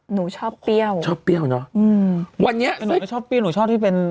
หนูชอบเปรี้ยวชอบเปรี้ยวเนอะอืมวันนี้ชอบเปรี้ยวหนูชอบที่เป็น